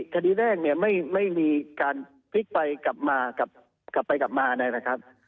คดีแรกไม่มีการพลิกไปกลับมาอะไรนะครับ